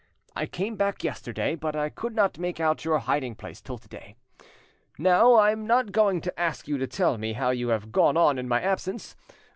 I came back yesterday, but I could not make out your hiding place till to day. Now I'm not going to ask you to tell me how you have gone on in my absence.